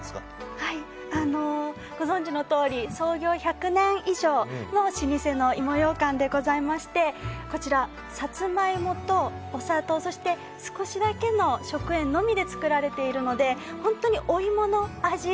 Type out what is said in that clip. ご存じのとおり創業１００年以上の老舗の芋ようかんでございましてこちらは、さつまいもとお砂糖少しだけの食塩のみで作られているので本当にお芋の味